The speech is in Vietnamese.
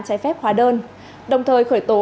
trái phép hóa đơn đồng thời khởi tố